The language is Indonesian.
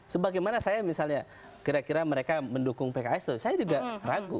sebagaimana saya misalnya kira kira mereka mendukung pks saya juga ragu